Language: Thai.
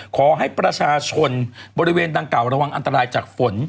ขอให้ประชาชนบริเวณดังกล่าระวังอันตรายจากฝน